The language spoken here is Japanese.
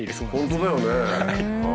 本当だよね。